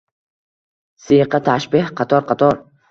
Siyqa tashbeh qator-qator